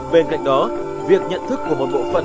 bên cạnh đó việc nhận thức của một bộ phận